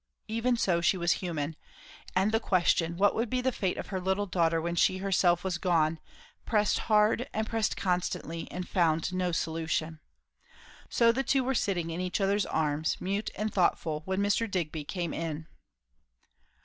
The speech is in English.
Even so, she was human; and the question, what would be the fate of her little daughter when she herself was gone, pressed hard and pressed constantly, and found no solution. So the two were sitting, in each other's arms, mute and thoughtful, when Mr. Digby came in.